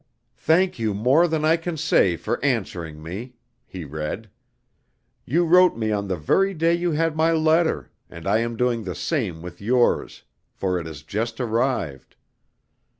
"Thank you more than I can say for answering me!" he read. "You wrote me on the very day you had my letter, and I am doing the same with yours, for it has just arrived.